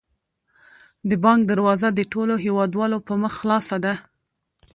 د بانک دروازه د ټولو هیوادوالو پر مخ خلاصه ده.